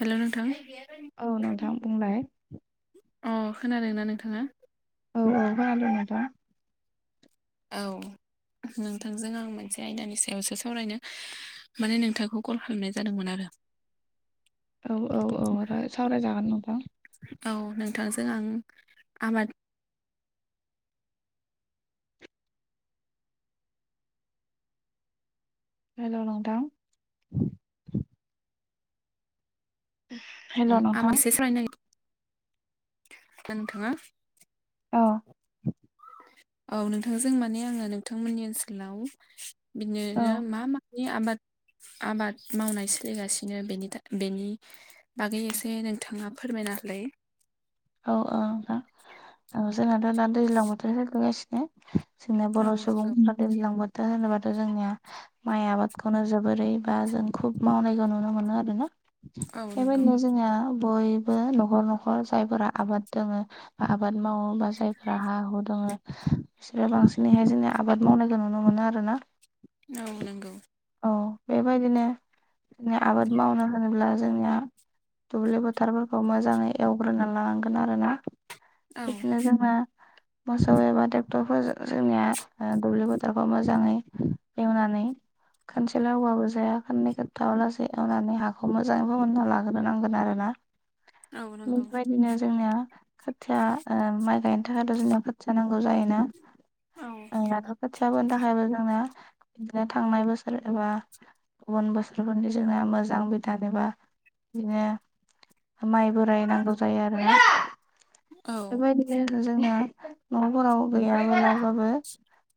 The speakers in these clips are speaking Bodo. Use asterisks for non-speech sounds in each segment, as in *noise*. हेलौ नोंथां। औ नोंथां बुंलाय? अ खोनादोंना नोंथाङा? औ औ नंगौ खोनादों नोंथां। औ नोंथांजों आं मोनसे आयदानि सायावसो सावरायनो माने नोंथांखौ कल खालामनाय जादोंमोन आरो? औ औ औ सावरायजागोन नोंथां। औ नोंथांजों आं आबाद हेलौ नोंथां। हेल' *unintelligible* नोंथां नागिरदों नोंथाङा औ औ नोंथांजों माने आङो नोंथांमोननि ओनसोलाव औ बिदिनो मा मानि आबाद आबाद मावनाय सोलिगासिनो बेनि बेनि बागै एसे नोंथाङा फोरमाय? नालै औ औ नोंथां औ जोंनाथ' दा दैज्लां बोथोर होगोगासिनो जोंना बर' औ सुबुं नंगौ फोरा दैज्लां बो दा होनोबाथ' जोंनिया माइ आबादखौनो जोबोरै बा जों खुब मावनायखौ नुनो मोनो आरोना। औ नंगौ बेबायदिनो जोङो बयबो न'खर न'खर जायफोरा आबाद दोङो आबाद मावोबा जायफोरा हा हु दङ बिसोरो बांसिनैहाय जोंना आबाद मावनायखौ नुनो मोनो आरो ना। औ नंगौ औ बेबायदिनो जों आबाद मावनो होनोब्ला जोंनिया दुब्लि फोथारफोरखौ मोजाङै एवग्रोना लानां गोन आरोना औ बिदिनो जोंना मोसौ एबा ट्रेक्टरफोर जोंनिया ओ दुब्लि बोथोरखौ मोजाङै एवनानै खानसेल' एवबाबो जाया खाननै खनथामलासै एवनानै हाखौ मोजाङैबो मोनना लाग्रो नांगोन आरो ना। औ नंगौ। ओ खोथिया ओ माइ गायनो थाखायथ' जोंयाव खाथिया नांगौ जायोना। औ ओं दाथ' खोथियाफोनो थाखायबो जोंना बिदिनो थांनाय बोसोर एबा गुबुन बोसोरफोरनि जोंनाना मोजांबिदानबा बिदिनो माइ बोराय नांगौ जायो आरोना औ बेबायदिनो जोना न'फोराव गैया गैयालाबाबो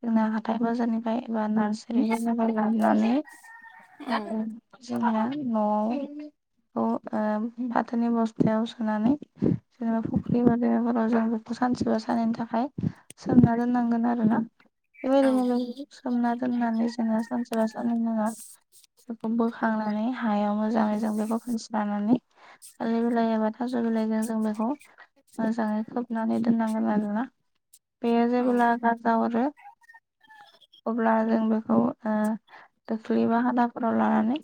जोंना हाथाइ बाजारनिफ्राय एबा नारसारि बा ननि औ उम जोंना न'आव अ ओ फाथोनि बस्थायाव सोनानै जेनेबा फुख्रि बदमाफोराव जों बेखौ सानसेबा सानननि थाखाय सोमना दोननांगोन आरो ना बेबायदिनो बे औ सोमना दोननानै जोङो सानसेबा साननै उनाव बेखौ बोखांनानै हायाव मोजाङै जों बेखौ फिनस्रिनानै लानानै थालिर बिलाइ एबा थाज' बिलाइजों जों बेखौ मोजाङै खोबनानै दोननांगोन आरोना बेयो जेब्ला गारजा हरो अब्ला जों बेखौ खौ ओ थसि बा हादाफोराव लानानै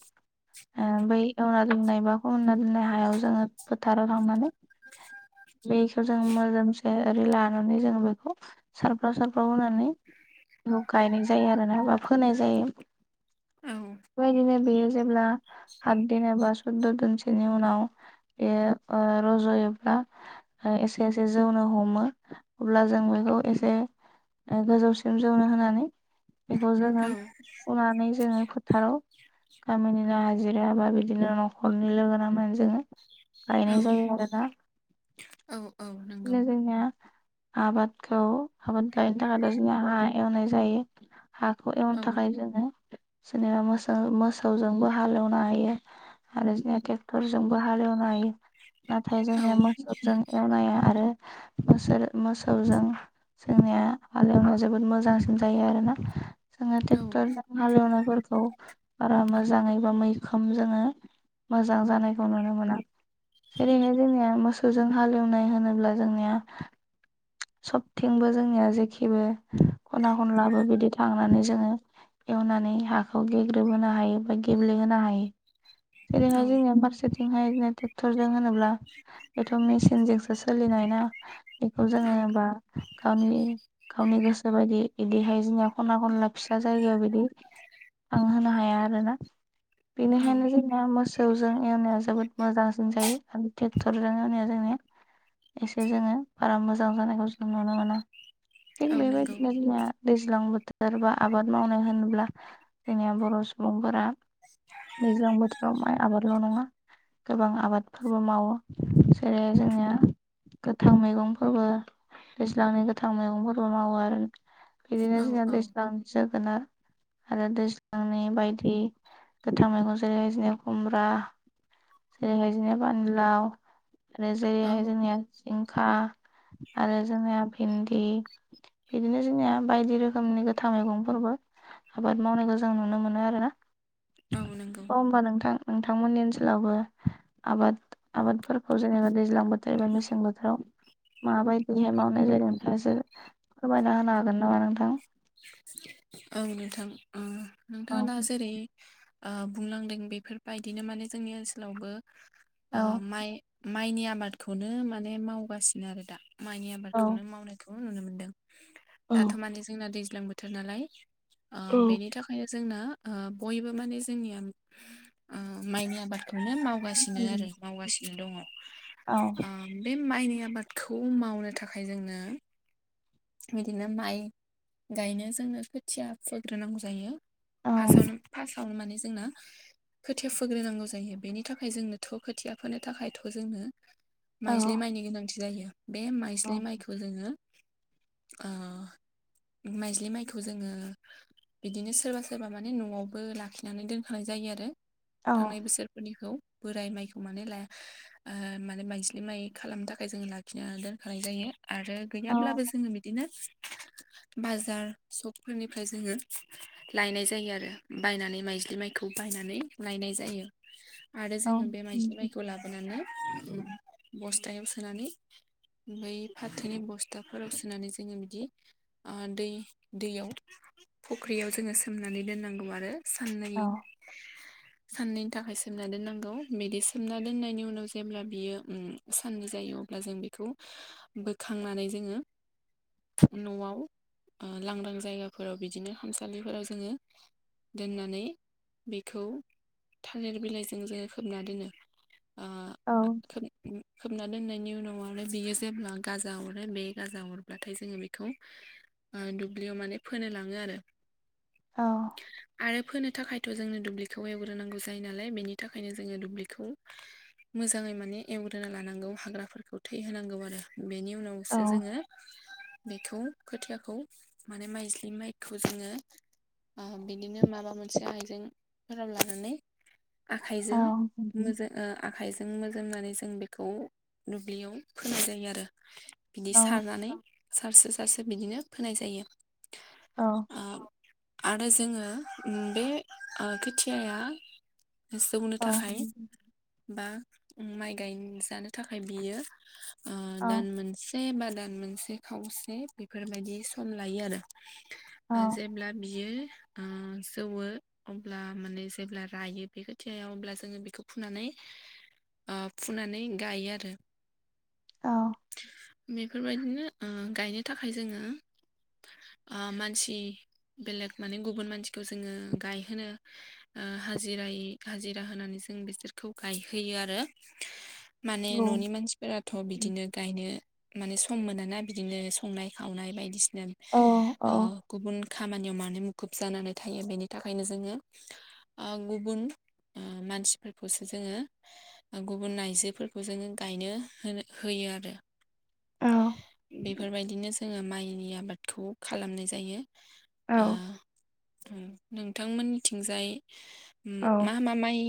ओ बै एवना दोंनाय बा फोमोना दोंनाय हायाव जोङो फोथाराव थांनानै आ *inaudible* बेखौ जों मोजोमसे ओरै लानानै जों बेखौ सारफ्राव सारफ्राव होनानै गायनाय जायो आरोना बा फोनाय जायो औ बेबायदिनो बेयो जेब्ला हत दिन एबा सुदद' दिनसोनि उनाव बेयो ओ रज'योब्ला एसे एसे जौनो हमो अब्ला जों बेखौ एसे गोजौसिम जौनो होनानै बेखौ जोङो फुनानै जोङो फोथाराव थ' गामिनिनो हाजिरा बा बिदिनो न'खरनि लोगोनांनानै जोङो औ गायनाय औ जायो जोना औ औ नंगौ लोगोनिया आबादखौ आबाद गायनो थाखायथ' दजनिया हा एवनाय जायो हाखौ एवनो औ थाखाय जोङो जेनेबा मो मोसौजोंबो हालेवनो हायो आरो जोंया ट्रेक्टरजोंबो हालेवनो हायो नाथाय औ जोंनिया मोसौजों एवनाया आरो मोस मोसौजों जोंनिया हालेवनायाव जोबोद मोजांसिन जायो आरोना जोंहा क्टरजों हालैनाय फोरखौ खौ बारा मोजाङै बा मैखोम जोङो मोजां जानायखौ नुनो मोना जेरैहाय जोंनिया मोसौजों हालेवनाय होनोब्ला जोंनिया सबथिंबो जोंनिया जेखेबो खना खनलाबो बिदि थांनानै जोङो एवनानै हाखौ गेग्रोबहोनो हायो बा गेब्लेहोनो हायो औ जेरैहाय जोंनिया बाखसाथिंजाय ट्रेक्टर जों होनोब्ला बेथ' मेसिनजोंसो सोलिनानै बेखौ जोङो औ बा गामि गावनि गोसो बायदि बिदिहाय जोंनि खना खनला फिसा जायगायाव बिदि थां होनो हाया आरोना औ बेनिखायनो जों मोसौजों एवनाया जोबोद मोजांसिन जायो आरो ट्रेक्टरजों एवनाया जोंनिया एसे जोङो बारा मोजां जानायखौ जों नुनो मोना थिग औ नंगौ बेबायदि जोंहा दैजां बोथोर बा आबाद मावनो होन्ला जोंनिया बर' सुबुंफोरा दैजां बोथोर माइ आबादल' नङा गोबां आबादफोरबो मावो जेरै जोंनिया गोथां मैगंफोरबो दैज्लांनि गोथां मैगंफोरबो मावो आरो बिदिनो औ जोंहा औ दै जोब गोन आरो दैज्लांनि बायदि गोथां मैगं जेरै खुमब्रा जेरैखायदिनो फानिलाव आरो औ जेरैहाय जोंनिया जिंखा आरो जोंनिया भिन्दि बिदिनो जोंनिया बायदि रोखोमनि गोथां मैगंफोरबो आबाद मावनायखौ जों नुनो मोनो आरोना औ नंगौ अ होनबा नोंथां नोंथांमोननि ओनसोलावबो आबाद आबाद फोर हजनिब दैजां बोथोर बा मेसें बोथोराव माबायदिहाय मावनाय ज जादों नोंथासो फोरमायना होनो हागोन नामा नोंथां औ नोंथां उम औ नोंथाङ दा जेरै ओ बुंलांदों बेफोरबायदिनो माने जोंनि ओनसोलावबो औ ओ माइ माइनि आबादखौनो माने मावगासिनो आरो दा माइनि औ आबादखौनो मावनायखौ नुनो मोनदों! औ दाथ' माने जोंना दैज्लां बोथोर नालाय ओ औ बेनि थाखायनो जोंना ओ बयबो माने जोंनिया ओ माइनि आबाद नो मावगासिनो आरो मावगासिनो दङ! औ ओ बे माइनि आबादखौ मावनो थाखाय जोंनो बिदिनो माइ गायनो जोङो खोथिया फोग्रोनांगौ जायो! औ फासआवनो फार्स्टआवनो माने जोंना खोथिया फोग्रोनांगौ जायो बेनि थाखाय जोंनोथ' खोथिया फोनो थाखायथ' जोंनो माइज्लि माइनि गोनांथि जायो बे माइज्लि माइखौ जोङो ओ माइज्लि माइखौ जोङो बिदिनो सोरबा सोरबा माने न'आवबो लाखिनानै दोनखानाय जायो आरो! औ थांनाय बोसोरफोरनिखौ बोराइ माइखौ माने ओ माने माइजिलि माइ खालामनो थाखाय जों लाखिना दोनखानाय जायो! आरो औ गैयाब्लाबो जोङो बिदिनो बाजार सपफोरनिफ्राय जोङो लायनाय जायो आरो बायनानै माइज्लि माइखौ! खौ बायनानै लायनाय जायो आरो जोङो बे मायज्लि माइखौ लाबोनानै बस्थायाव सोनानै बै फाथोनि बस्था फोराव सोनानै जोङो बिदि ओ दै दैयाव फख्रियाव जोङो सोमनानै साननै नांगौ आरो थाखाय सोमना दोननांगौ बिदि सोमना दोननायनि उनाव जेब्ला बियो साननो जायो अब्ला जों बे खौ बोखांनानै जोङो न'आव लांदां जायगाफोराव बिदिनो खामसालिफोराव जोङो दोननानै बेखौ थालिर बिलाइजों जोङो खोबना दोनो आ खोबना दोननायनि उनाव आरो बियो जेब्ला गाजा अरो बे राजा अरब्लाथाय जोङो बेखौ दुब्लियाव माने फोनो लाङो आरो! आरो फोनो- बे थाखायथ' जोंनो दुब्लिखौ एवग्रोनांगौ जायो नालाय बेनि थाखायनो जोङो दुब्लिखौ मोजाङै माने एवग्रोना लानांगौ हाग्राफोरखौ थै होनांगौ आरो बेनि उनावो औ जोङो बेखौ खोथियाखौ माने माइज्लि माइखौ जोङो आ बिदिनो माबा मोनसे आइजेंफोराव लानानै आखाइजों मोजां ओ आखाइजों जों मोजोमनानै जों बेखौ दुब्लियाव फोनाय जायो आरो बिदि औ सारनानै सारसो सारसो बिदिनो फोनाय जायो! औ ओ आरो जोङो बे खोथियाया जौनो औ थाखाय बा माइ गायजानो थाखाय बियो ओ दान मोनसे बादान मोनसे खावसे बेफोरबायदि सम लायो आरो औ जेब्ला बियो जौवो अब्ला माने जेब्ला रायो बे खोथिया अब्ला जोङो बेखौ फुनानै गायो आरो! औ बेफोरबायदिनो गायनो थाखाय जोङो मानसि बेलेग माने गुबुन मानसिखौ जोङो गायहोनो ओ हाजिराय हाजिरा होनानै जों बिसोरखौ गायहोयो आरो माने न'नि मानसिफोराथ' बिदिनो गायनो माने सम मोन ना बिदिनो संनाय खावनाय बायदिसिना औ ओ गुबुन खामानियाव मानो मुखुब जानानै थायो बेनि थाखायनो जोङो ओ गुबुन मानसिफोरखौसो जोङो गुबुन आइजोफोरखौ जोङो गायनो होनो होयो! बे आरो! बेफोरबायदिनो जोङो माइनि आबादखौ खालामनाय जायो! ओ औ नोंथांमोननिथिंजाय मा मा माइ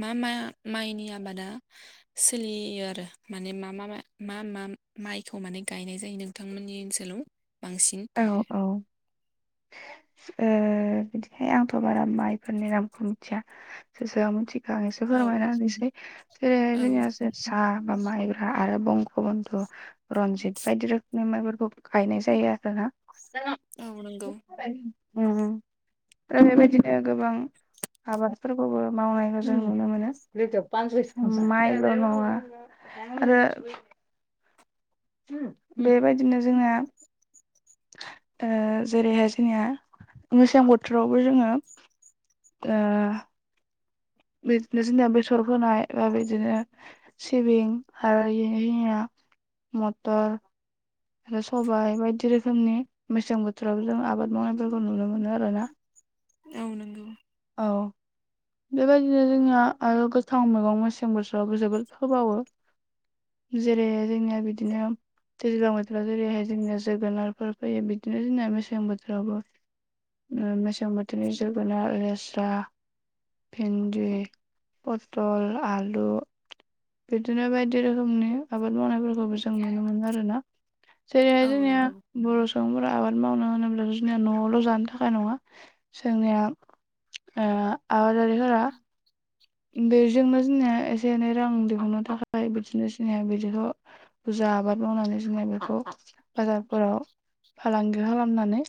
मा मा माइनि आबादा सोलियो आरो माने मा मा मा मा माइखौ माने गायनाय जायो नोंथांमोननि ओनसोलाव? बांसिन औ औ ओ बिदिहाय आंथ' बारा माइफोरनि रामखौ मिथिया सोर सोरां मिथि आं एसे औ फोरमायना होनसै जेरै औ जोंनिया जोसा बा माइब्रा आरो बंख' बन्ध' रनजित बायदि रोखोमनि माइफोरखौ गायनाय जायो आरोना औ नंगौ दा बेबायदिनो गोबां आबादफोरखौबो मावनायखौ जों नुनो मोनो माइल' नङा आरो बेबायदिनो जोंना ओ जेरैहाय जोंनिया मेसें बोथोरावबो जोङो ओ बिदिनो जोंनिया बेसर फोनाय बा बिदिनो सिबिं आरो जोंनिया मटर आरो सबाय बायदि रोखोमनि मेसें बोथोराव जों आबाद मावनायफोरखौ नुनो मोनो आरोना औ नंगौ औ बेबायदिनो जोंनिया आरो गोथां मैगं मेसें बोथोरावबो जोबोद फोबावो जेरै जोंनिया बिदिनो दैज्लां बोथोराव जेरैहाय जोंनिया जोगोनारफोर फैयो बिदिनो जोंना मेसें बोथोरावबो मेसें बोथोरनि जोगोनार लेस्रा भिन्दि पटल आलु बिदिनो बायदि रोखोमनि आबाद मावनायफोरखौबो जों नुनो मोनो आरोना जेरैहाय औ जोंनिया नंगौ बर' सुबुंफोरा आबाद मावनो होनोब्ला' जोंनिया न'आवल' जानो थाखाय नङा जोंनिया ओ आबादारिफोरा बेजोंनो जोंनिया एसे एनै रां दिहुननो थाखाय बिदिनो जोंनिया बिदिखौ बुरजा आबाद मावनानै जोङो बेखौ बाजारफोराव फालांगि खालामनानै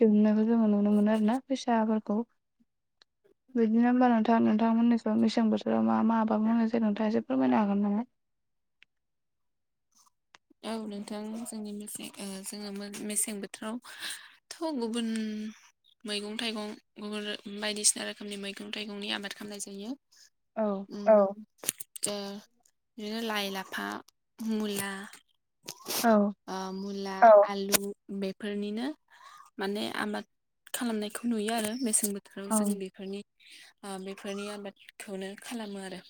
दिहुननायखौ जोङो नुनो मोनो आरोना फैसाफोरखौ बिदिनो होनबा नोंथां नोंथांमोननि मेसें बोथोराव मा मा आबाद मावनाय जायो नोंथाङा एसे फोरमायनो हागोन ना औ नोंथां जोंनि मेसें जोङो मेसें बोथोरावथ' गुबुन मैगं थाइगं गुबुन बायदिसिना रोखोमनि मैगं थाइगंनि आबाद खालामनाय औ जायो औ ओ बिदिनो लाय लाफा मुला औ ओ मुला औ आलु बेफोरनिनो माने आबाद खालामनायखौ नुयो आरो मेसें बोथोराव औ बोथोराव जों बेफोरनि बेफोरनि आबादखौनो खालामो आरो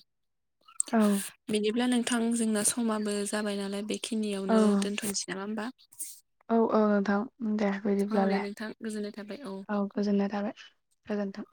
औ बिदिब्ला नोंथां जोंना समाबो जाबाय नालाय बे खिनियावनो औ दोनथ'नोसै नामा होमबा! औ औ नोंथां दे औ दे बिदिब्लालाय। नोंथां गोजोननाय थाबाय औ गोजोननाय थाबाय। गोजोनथों